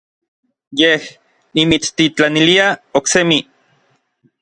Yej nimitstitlanilia oksemi.